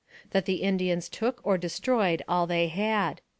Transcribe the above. That the Indians took or destroyed all they had.